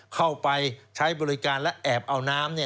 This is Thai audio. เข้าไปใช้บริการและแอบเอาน้ำ